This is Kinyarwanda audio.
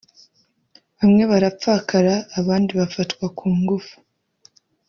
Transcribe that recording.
bamwe barapfakara abandi bafatwa ku ngufu